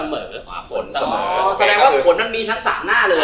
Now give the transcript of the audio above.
อ๋อแสดงว่าผลนั้นมีทักษะหน้าเลย